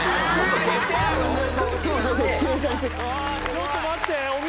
ちょっと待って！